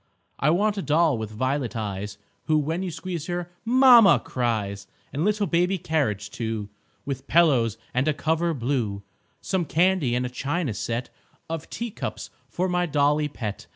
I want a doll with violet eyes Who, when you squeeze her, "Mamma!" cries; And little baby carriage, too, With pillows and a cover blue; Some candy and a china set Of teacups for my dolly pet.